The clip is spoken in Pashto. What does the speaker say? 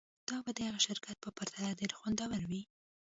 دا به د هغه شرکت په پرتله ډیر خوندور وي